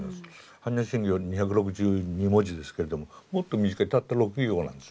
般若心経２６２文字ですけれどももっと短いたった６行なんです。